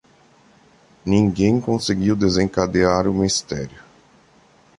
Ninguém conseguiu desencadear o mistério.